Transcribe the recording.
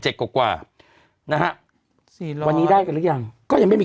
กว่ากว่านะฮะสี่ร้อยวันนี้ได้กันหรือยังก็ยังไม่มี